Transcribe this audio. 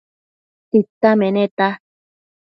Tita meneta